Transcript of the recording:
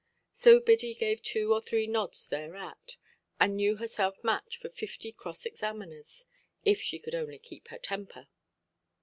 So Biddy gave two or three nods thereat, and knew herself match for fifty cross–examiners, if she could only keep her temper.